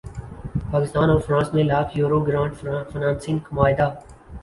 پاکستان اور فرانس میں lakh euro grant financing معاہدہ